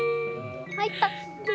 入った。